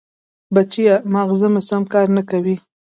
بچیه! ماغزه مې سم کار نه کوي.